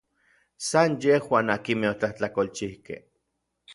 San yejuan akinmej otlajtlakolchijkej.